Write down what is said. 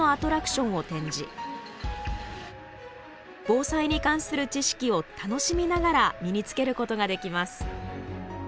防災に関する知識を楽しみながら身につけることができます。